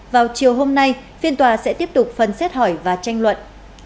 vào chiều hôm nay phiên tòa sẽ tiếp tục phần xét hỏi và tranh luận